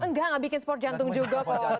enggak nggak bikin sport jantung juga kok